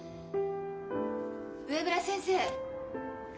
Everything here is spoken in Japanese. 上村先生！